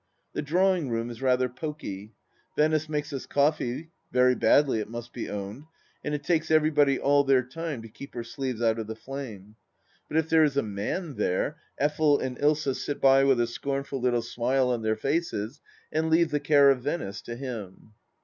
The drawing room is rather poky. Venice makes us coffee, very badly, it must be owned, and it takes everybody all their time to keep her sleeves out of the flame. But if there is a man there, Effel and Ilsa sit by with a scornful little smile on their faces and leave the care of Venice to him.